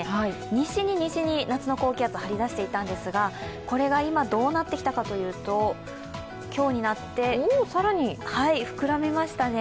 西に西に夏の高気圧が張り出していたんですが、これが今どうなってきたかというと今日になって膨らみましたね。